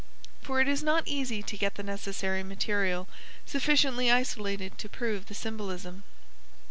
For it is not easy to get the necessary material sufficiently isolated to prove the symbolism.